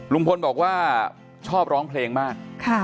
ลุงพลบอกว่าชอบร้องเพลงมาก